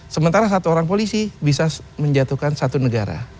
sementara satu orang polisi bisa menjatuhkan satu negara